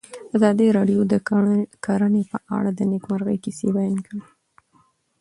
ازادي راډیو د کرهنه په اړه د نېکمرغۍ کیسې بیان کړې.